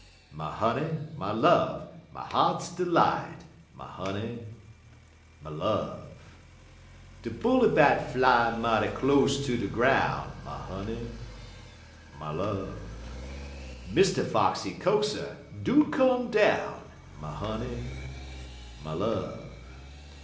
My honey, my love, my heart's delight My honey, my love!_ De Bully Bat fly mighty close ter de groun', My honey, my love! Mister Fox, he coax 'er, Do come down! My honey, my love!